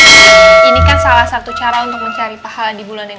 ering ini langsung bokwi ini bakalan ke masjid